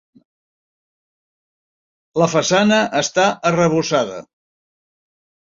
La façana està arrebossada.